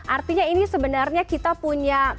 artinya ini sebenarnya kita punya